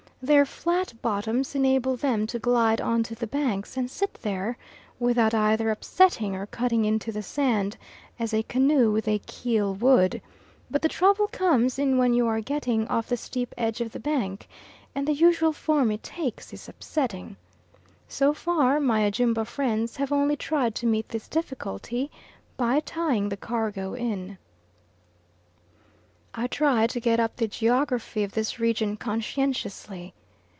Their flat bottoms enable them to glide on to the banks, and sit there, without either upsetting or cutting into the sand, as a canoe with a keel would; but the trouble comes in when you are getting off the steep edge of the bank, and the usual form it takes is upsetting. So far my Ajumba friends have only tried to meet this difficulty by tying the cargo in. I try to get up the geography of this region conscientiously.